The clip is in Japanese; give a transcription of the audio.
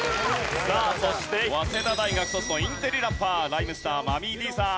さあそして早稲田大学卒のインテリラッパーライムスターＭｕｍｍｙ−Ｄさん。